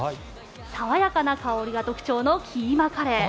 爽やかな香りが特徴のキーマカレー。